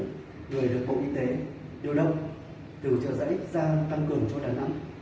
người được bộ y tế điều động từ trợ giấy sang tăng cường cho đà nẵng